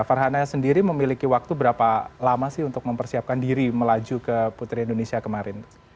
farhana sendiri memiliki waktu berapa lama sih untuk mempersiapkan diri melaju ke putri indonesia kemarin